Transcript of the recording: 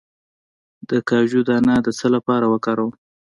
د کاجو دانه د څه لپاره وکاروم؟